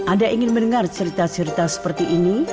anda ingin mendengar cerita cerita seperti ini